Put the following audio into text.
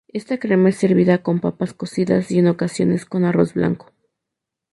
Esta crema es servida con papas cocidas, y en ocasiones con arroz blanco.